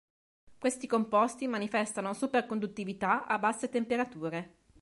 Questi composti manifestano superconduttività a basse temperature.